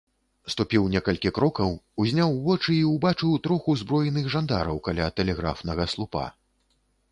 Ступіў некалькі крокаў, узняў вочы і ўбачыў трох узброеных жандараў каля тэлеграфнага слупа.